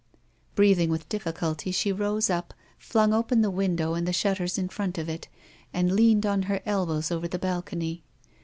Breathing with difficulty, she rose up, flung open the window and the shutters in front of it, and leaned on her elbows over the balcony.